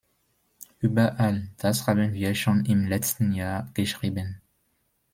Über all das haben wir schon im letzten Jahr geschrieben.